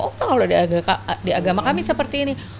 oh kalau di agama kami seperti ini